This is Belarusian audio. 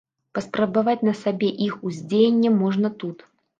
Паспрабаваць на сабе іх уздзеянне можна тут.